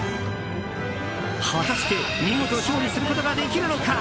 果たして、見事勝利することができるのか？